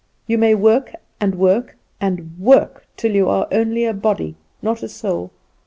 You may work, and work, and work, till you are only a body, not a soul.